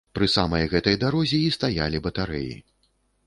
Пры самай гэтай дарозе і стаялі батарэі.